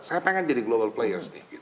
saya ingin jadi global player